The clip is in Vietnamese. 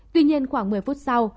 tuy nhiên khoảng một mươi phút sau